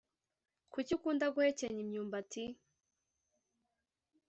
Kuki ukunda guhekenya imyumbati